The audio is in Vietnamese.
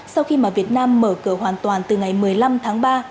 sau khi mà việt nam mở cửa hoàn toàn từ ngày một mươi năm tháng ba